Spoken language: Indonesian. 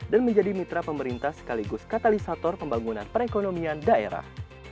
dan menjadi mitra pemerintah sekaligus katalisator pembangunan perekonomian daerah